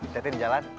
jatuh di jalan